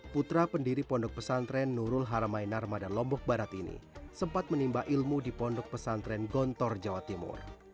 putra pendiri pondok pesantren nurul haramain armada lombok barat ini sempat menimba ilmu di pondok pesantren gontor jawa timur